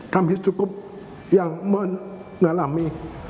kami cukup yang mengalami